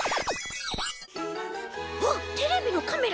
うわっテレビのカメラ？